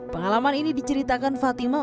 pengalaman ini diceritakan fatima